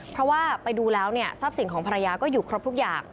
เพราะว่าไปดูแล้วเนี่ยทรัพย์สินของภรรยาก็อยู่ครบทุกอย่าง